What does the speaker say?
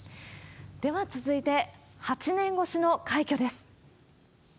では続いて、８年越しの快挙です。